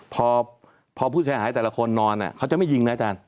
พอผู้เสียหายแต่ละคนนอนเขาจะไม่ยิงนะอาจารย์